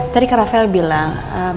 tadi kak rafael bilang